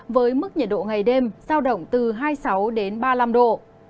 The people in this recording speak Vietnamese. với mức nhiệt độ ngày đêm giao động từ hai mươi sáu đến ba mươi năm độ